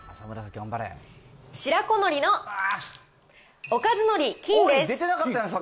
白子のりのおかずのり金です。